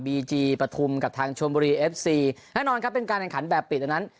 จีปฐุมกับทางชมบุรีเอฟซีแน่นอนครับเป็นการแข่งขันแบบปิดอันนั้น